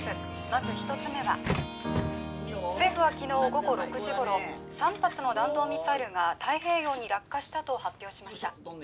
まず１つ目は政府は昨日午後６時頃３発の弾道ミサイルが太平洋に落下したと発表しました